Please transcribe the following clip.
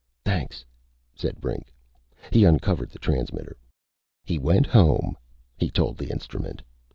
"Thanks," said Brink. He uncovered the transmitter. "He went home," he told the instrument.